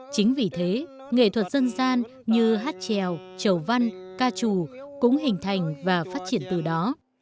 chính vì thế nghệ thuật dân gian như hát trèo chầu văn ca trù cũng hình thành và phát triển từ đó